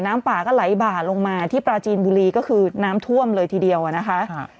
น้ำป่าก็ไหลบ่าลงมาที่ปราจีนบุรีก็คือน้ำท่วมเลยทีเดียวอ่ะนะคะ